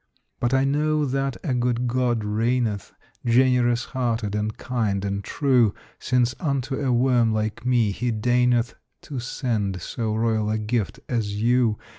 But I know that a good God reigneth, Generous hearted and kind and true; Since unto a worm like me he deigneth To send so royal a gift as you.